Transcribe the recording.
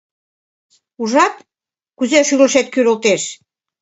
— Ужат, кузе шӱлышет кӱрылтеш.